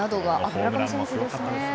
村上選手ですね。